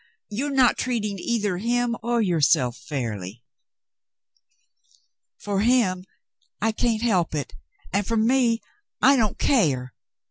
You're not treating either him or yourself fairly." "For him — I can't help it; and for me, I don't care.